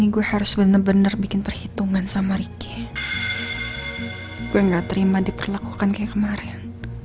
gue gak terima diperlakukan kayak kemarin